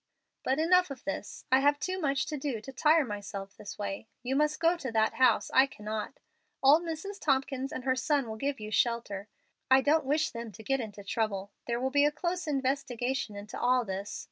"But enough of this. I have too much to do to tire myself this way. You must go to that house; I cannot. Old Mrs. Tompkins and her son will give you shelter. I don't wish them to get into trouble. There will be a close investigation into all this.